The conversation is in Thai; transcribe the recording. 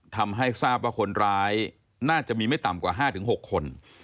ทำให้ทราบว่าคนร้ายน่าจะมีไม่ต่ำกว่า๕๖คน